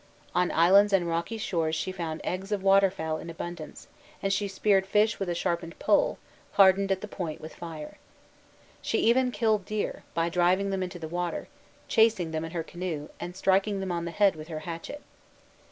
On islands and rocky shores she found eggs of water fowl in abundance; and she speared fish with a sharpened pole, hardened at the point with fire. She even killed deer, by driving them into the water, chasing them in her canoe, and striking them on the head with her hatchet.